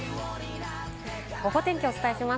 ゴゴ天気、お伝えします。